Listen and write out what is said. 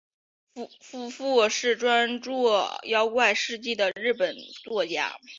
夫婿是专注妖怪事迹的日本作家。